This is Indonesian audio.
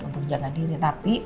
untuk jaga diri tapi